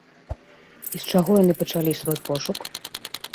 І з чаго яны пачалі свой пошук?